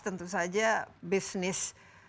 tentu saja bisnis